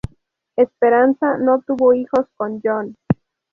Esperanza no tuvo hijos con John.